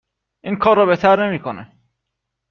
.این کارو بهتر نمی کنه